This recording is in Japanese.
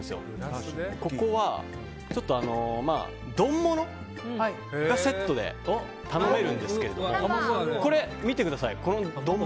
ここは、ちょっと丼物がセットで頼めるんですけどこれ見てください。